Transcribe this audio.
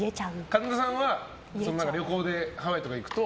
神田さんは旅行でハワイとか行くと？